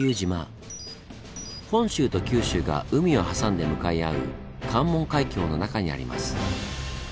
本州と九州が海を挟んで向かい合う関門海峡の中にあります。